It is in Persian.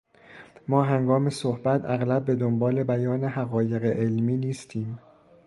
ما هنگام صحبت، اغلب به دنبال بیان حقایق علمی نیستیم.